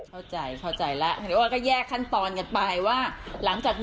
เข้าใจแล้วเดี๋ยวก็แยกขั้นตอนกันไปว่า